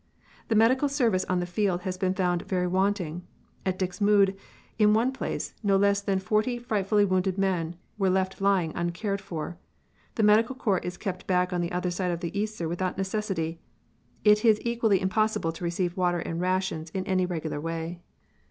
"The medical service on the field has been found very wanting. At Dixmude, in one place, no less than forty frightfully wounded men were left lying uncared, for. The medical corps is kept back on the other side of the Yser without necessity. It is equally impossible to receive water and rations in any regular way.